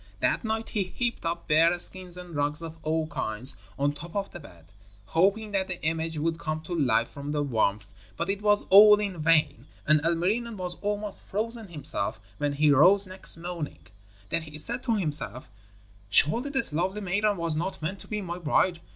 That night he heaped up bear skins and rugs of all kinds on top of the bed, hoping that the image would come to life from the warmth, but it was all in vain, and Ilmarinen was almost frozen himself when he rose next morning. Then he said to himself: 'Surely this lovely maiden was not meant to be my bride.